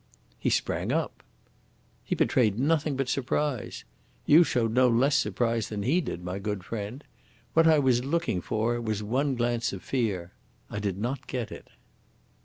"He sprang up." "He betrayed nothing but surprise. You showed no less surprise than he did, my good friend. What I was looking for was one glance of fear. I did not get it."